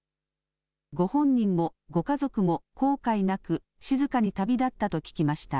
ご本人もご家族も後悔なく静かに旅立ったと聞きました。